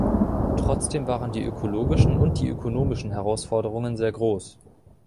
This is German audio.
Trotzdem waren die ökologischen und die ökonomischen Herausforderungen sehr groß.